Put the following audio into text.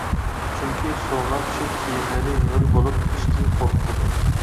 چۈنكى سۇغا چۈشۈپ كىيىملىرى ھۆل بولۇپ كېتىشتىن قورقىدۇ.